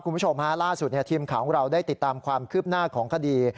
คุณผู้ชมฮะล่าสุดทีมข่าวของเราได้ติดตามความคืบหน้าของคดี